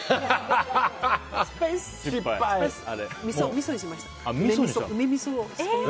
みそにしました、梅みそ。